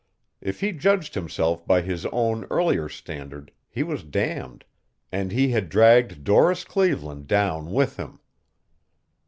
If he judged himself by his own earlier standard he was damned, and he had dragged Doris Cleveland down with him.